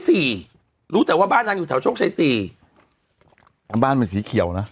รู้แต่ว่าบ้านนางอยู่แถวโชคชัยสี่อ่าบ้านเป็นสีเขียวนะ